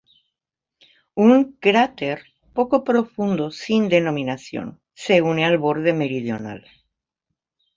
Un cráter poco profundo sin denominación se une al borde meridional.